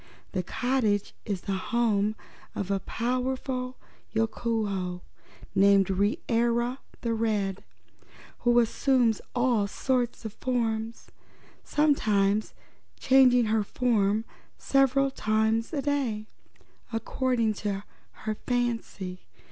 The cottage is the home of a powerful Yookoohoo, named Reera the Red, who assumes all sorts of forms, sometimes changing her form several times in a day, according to her fancy.